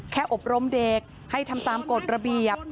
อบรมเด็กให้ทำตามกฎระเบียบ